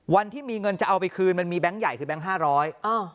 วันที่มีเงินจะเอาไปคืนมันมีแบงค์ใหญ่คือแบงค์ห้าร้อยอ่า